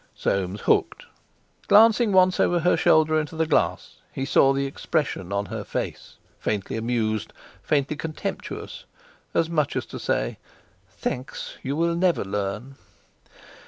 Soames hooked. Glancing once over her shoulder into the glass, he saw the expression on her face, faintly amused, faintly contemptuous, as much as to say: "Thanks! You will never learn!"